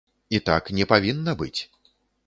І так не павінна быць.